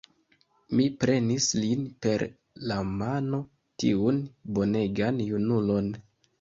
Mi prenis lin per la mano, tiun bonegan junulon.